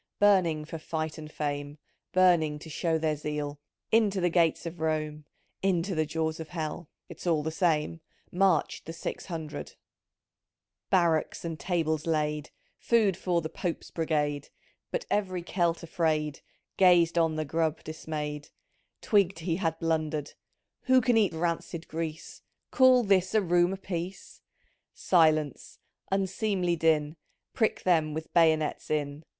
— Burning for fight and fame — Burning to show their zeal = 3* Into the gates of Rome, Into the jaws of Hell, (It's all the same) ! Marched the Six Hundred ! "Barracks, and tables laid ! Food for the Pope's Brigade ;" But ev'ry Celt afraid. Gazed on the grub disraay'd — Twigged he had blundered ;—" Who can eat rancid grease ? Call this a room a piece !"*" Silence ! unseemly din, Prick them with bayonets in."